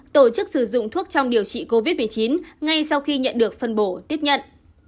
tổ chức sử dụng thuốc trong điều trị covid một mươi chín ngay sau khi nhận được phân bổ tiếp nhận